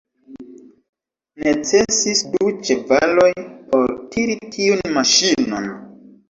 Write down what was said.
Necesis du ĉevaloj por tiri tiun maŝinon.